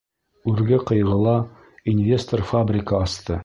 Үрге Ҡыйғыла инвестор фабрика асты